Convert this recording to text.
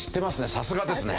さすがですね。